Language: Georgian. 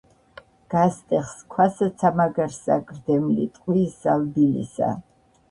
გასტეხს ქვასაცა მაგარსა გრდემლი ტყვიისა ლბილისა